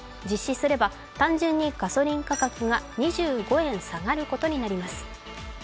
実施すれば単純にガソリン価格が２５円下がることになります。